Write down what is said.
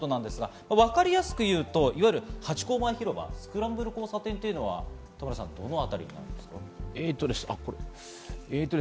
わかりやすく言うと、ハチ公前広場、スクランブル交差点というのはどの辺りですか？